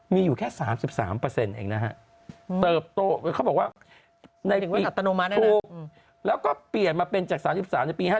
มีอยู่แค่๓๓เองนะฮะเติบโตเขาบอกว่าในปีถูกแล้วก็เปลี่ยนมาเป็นจาก๓๓ในปี๕๗